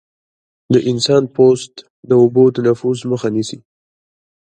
د انسان پوست د اوبو د نفوذ مخه نیسي.